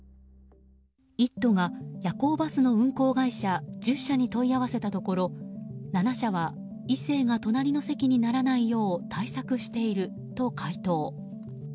「イット！」が夜行バスの運行会社１０社に問い合わせたところ７社は異性が隣の席にならないよう対策していると回答。